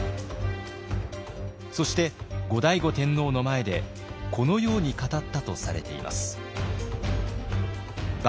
そして後醍醐天皇の前でこのように語ったとされています。